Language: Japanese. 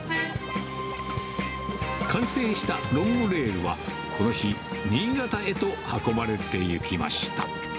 完成したロングレールは、この日、新潟へと運ばれてゆきました。